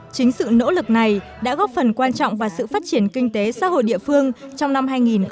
chính sự nỗ lực này đã góp phần quan trọng vào sự phát triển kinh tế xã hội địa phương trong năm hai nghìn hai mươi